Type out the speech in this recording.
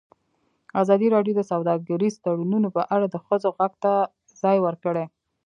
ازادي راډیو د سوداګریز تړونونه په اړه د ښځو غږ ته ځای ورکړی.